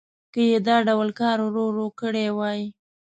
که یې دا ډول کار ورو ورو کړی وای.